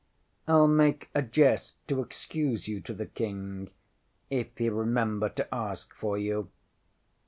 IŌĆÖll make a jest to excuse you to the King if he remember to ask for you.